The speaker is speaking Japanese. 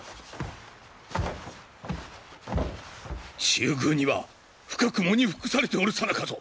中宮には深く喪に服されておるさなかぞ。